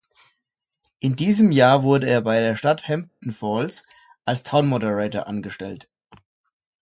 In diesem Jahr wurde er bei der Stadt Hampton Falls als „Town Moderator“ angestellt.